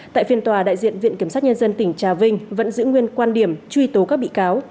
tại phiên tòa đại diện viện kiểm sát nhân dân tỉnh trà vinh vẫn giữ nguyên quan điểm truy tố các bị cáo